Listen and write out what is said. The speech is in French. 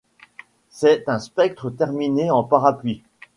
C’est un sceptre terminé en parapluie.